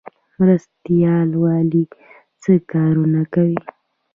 مرستیال والي څه کارونه کوي؟